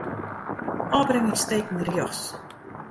Ofbrekkingsteken rjochts.